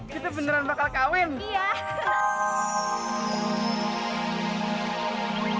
kita beneran bakal kawin